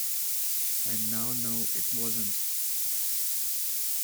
I now know it wasn't.